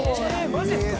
「マジですか？